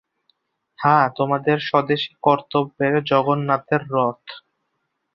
হাঁ তোমাদের স্বদেশী কর্তব্যের জগন্নাথের রথ।